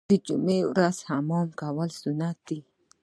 د جمعې په ورځ حمام کول سنت دي.